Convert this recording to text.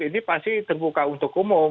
ini pasti terbuka untuk umum